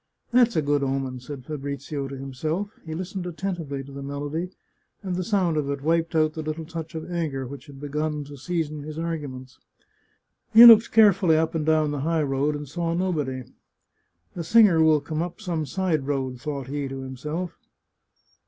" That's a good omen !" said Fabrizio to himself ; he listened attentively to the melody, and the sound of it wiped out the little touch of anger which had begun to season his arguments. He looked carefully up and down the high road and saw nobody. " The singer will come up some side road," thought he to himself.